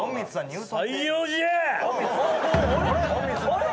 あれ？